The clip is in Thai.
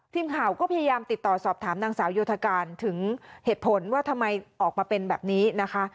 ทีมข่าวก็พยายามติดต่อสอบถามนางสาวโยธการถึงเหตุผลว่าทำไมออกมาเป็นแบบนี้นะคะ